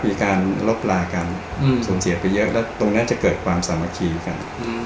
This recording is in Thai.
มีการลบลากันสูญเสียไปเยอะแล้วตรงนั้นจะเกิดความสามัคคีกัน